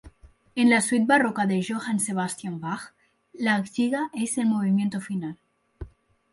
En la suite barroca de Johann Sebastian Bach, la giga es el movimiento final.